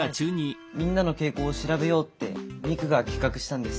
みんなの傾向を調べようってミクが企画したんです。